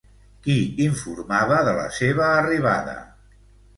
Qui informava de la seva arribada?